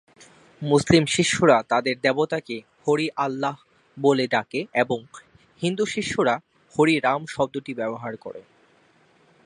মুসলিম শিষ্যরা তাদের দেবতাকে হরি-আল্লাহ বলে ডাকে এবং হিন্দু শিষ্যরা হরি রাম শব্দটি ব্যবহার করে।